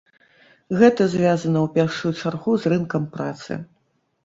Гэта звязана ў першую чаргу з рынкам працы.